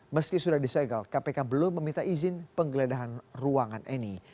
meski sudah disegel kpk belum meminta izin penggeledahan ruangan eni